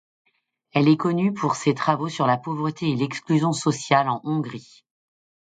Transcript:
Elle est connue pour ses travaux sur la pauvreté et l'exclusion sociale en Hongrie.